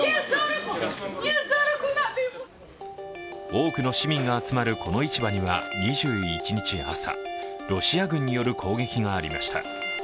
多くの市民が集まるこの市場には２１日朝、ロシア軍による攻撃がありました。